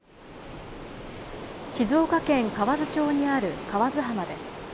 静岡県河津町にある河津浜です。